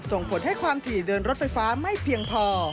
ส่งผลให้ความถี่เดินรถไฟฟ้าไม่เพียงพอ